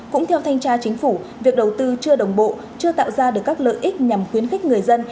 cũng theo thanh tra chính phủ việc đầu tư chưa đồng bộ chưa tạo ra được các lợi ích nhằm khuyến khích người dân